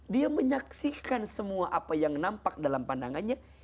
dia menyaksikan semua apa yang nampak dalam pandangannya